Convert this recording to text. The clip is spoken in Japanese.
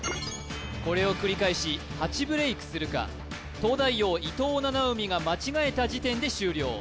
これを繰り返し８ブレイクするか東大王伊藤七海が間違えた時点で終了